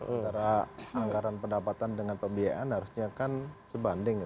antara anggaran pendapatan dengan pembiayaan harusnya kan sebanding